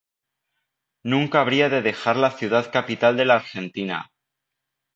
Nunca habría de dejar la ciudad capital de la Argentina.